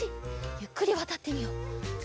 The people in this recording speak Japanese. ゆっくりわたってみよう。